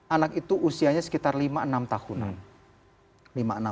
anak itu usianya sekitar lima enam tahunan